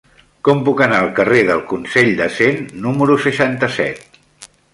Com puc anar al carrer del Consell de Cent número seixanta-set?